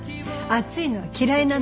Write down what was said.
暑いのは嫌いなの。